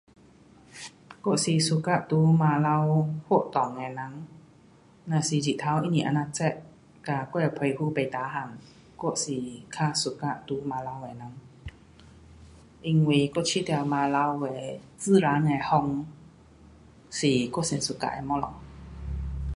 我是 suka 在晚头活动的人，若是日头不是这样热，跟我的皮肤不 tahan 我是较 suka 在晚头的人，因为我觉得晚头的自然的风是我最 suka 的东西。